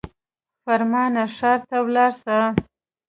فرمانه ښار ته ولاړ سه.